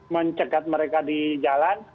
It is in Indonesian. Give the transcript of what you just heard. mencegat mereka di jalan